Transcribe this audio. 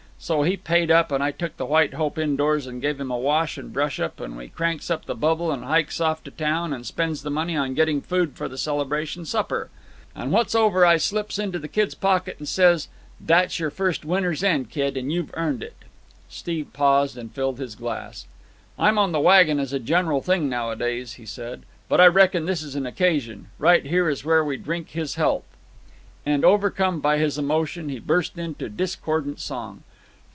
So he paid up, and I took the White Hope indoors and give him a wash and brush up, and we cranks up the bubble and hikes off to the town and spends the money on getting food for the celebration supper. And what's over I slips into the kid's pocket and says: 'That's your first winner's end, kid, and you've earned it.'" Steve paused and filled his glass. "I'm on the waggon as a general thing nowadays," he said; "but I reckon this an occasion. Right here is where we drink his health." And, overcome by his emotion, he burst into discordant song.